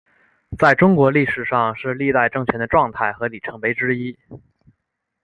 在中国历史上是历代政权的状态和里程碑之一。